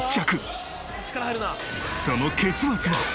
その結末は！？